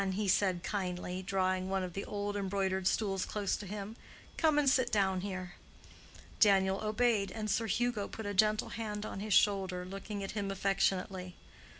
he said kindly, drawing one of the old embroidered stools close to him. "Come and sit down here." Daniel obeyed, and Sir Hugo put a gentle hand on his shoulder, looking at him affectionately.